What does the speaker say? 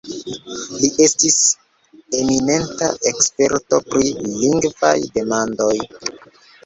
Li estis eminenta eksperto pri lingvaj demandoj.